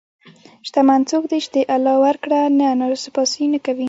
شتمن څوک دی چې د الله ورکړه نه ناسپاسي نه کوي.